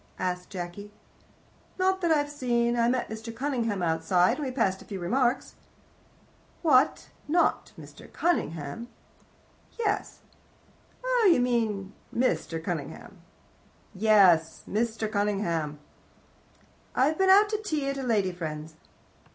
asked Jacky. "Not that I've seen. I met Mr. Cunningham outside, and we passed a few remarks." "What, not Mr. Cunnginham?" "Yes." "Oh, you mean Mr. Cunningham." "Yes. Mr. Cunningham." "I've been out to tea at a lady friend's."